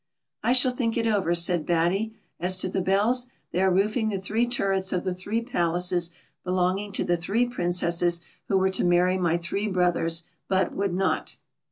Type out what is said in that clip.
" I shall think it over," said Batty. " As to the bells, they are roofing the three turrets of the three palaces belonging to the three Princesses who were to marry my three brothers, but would not."